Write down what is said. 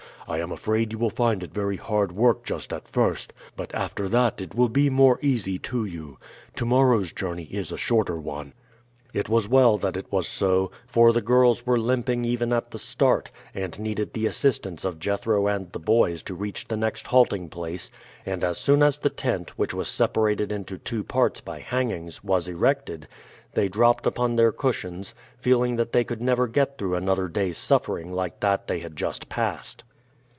I am afraid you will find it very hard work just at first, but after that it will be more easy to you. To morrow's journey is a shorter one." It was well that it was so, for the girls were limping even at the start, and needed the assistance of Jethro and the boys to reach the next halting place; and as soon as the tent, which was separated into two parts by hangings, was erected, they dropped upon their cushions, feeling that they could never get through another day's suffering like that they had just passed.